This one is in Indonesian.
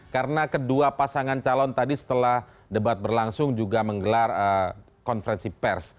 karena kedua pasangan calon tadi setelah debat berlangsung juga menggelar konferensi pers